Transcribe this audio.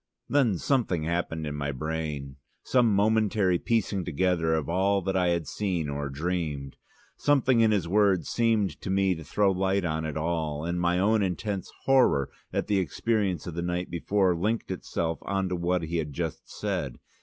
'" Then something happened in my brain, some momentary piecing together of all that I had seen or dreamed. Something in his words seemed to me to throw light on it all, and my own intense horror at the experience of the night before linked itself on to what he had just said.